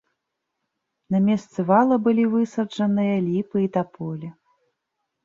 На месцы вала былі высаджаныя ліпы і таполі.